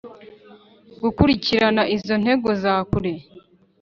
gukurikirana izo ntego za kure